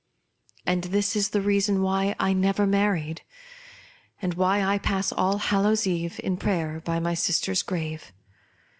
And this is the reason why I never married, and why I pass Allhallow's eve in j rayer by my sister's grave.